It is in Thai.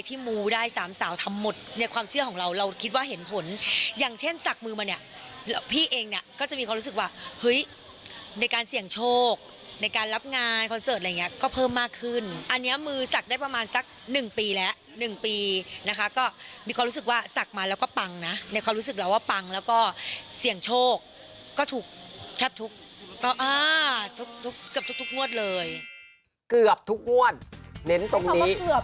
ชอบมากไม่ว่าจะเป็นสักมือเอ๋ยองค์ปู่ทาเวสสุวรรค์เอ๋ยองค์ปู่ทาเวสสุวรรค์เอ๋ยองค์ปู่ทาเวสสุวรรค์เอ๋ยองค์ปู่ทาเวสสุวรรค์เอ๋ยองค์ปู่ทาเวสสุวรรค์เอ๋ยองค์ปู่ทาเวสสุวรรค์เอ๋ยองค์ปู่ทาเวสสุวรรค์เอ๋ยองค์ปู่ทาเวสสุวรรค์เอ๋ยองค์ปู่ทาเวสสุวรรค์เอ